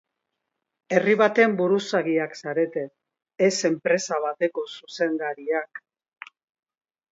Herri baten buruzagiak zarete, ez enpresa bateko zuzendariak.